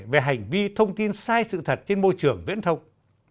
về hành vi thông tin sai sự thật trên môi trường viễn thông